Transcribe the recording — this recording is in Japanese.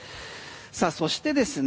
さあそしてですね